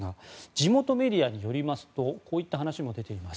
地元メディアによりますとこういった話も出ています。